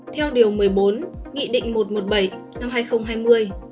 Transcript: theo điều một mươi bốn nghị định một trăm một mươi bảy năm hai nghìn hai mươi